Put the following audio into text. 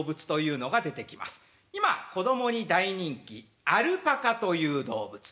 今子供に大人気アルパカという動物。